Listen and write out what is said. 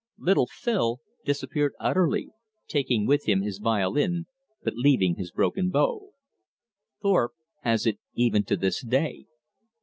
Little Phil disappeared utterly, taking with him his violin, but leaving his broken bow. Thorpe has it even to this day.